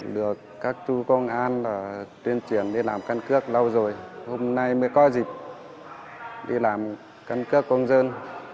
được các chú công an tuyên truyền đi làm cân cấp lâu rồi hôm nay mới có dịp đi làm cân cấp công dân